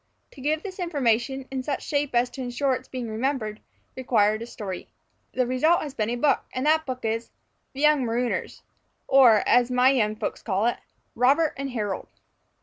To give this information, in such shape as to insure its being remembered, required a story. The result has been a book; and that book is "The Young Marooners" or, as my young folks call it, "Robert and Harold."